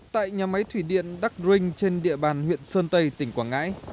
tại nhà máy thủy điện đắc rinh trên địa bàn huyện sơn tây tỉnh quảng ngãi